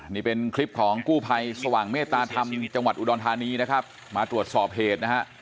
นี่เป็นคลิปของกู้ภัยสว่างเมตตาธรรมจังหวัดอุดรธานีนะครับมาตรวจสอบเหตุนะฮะ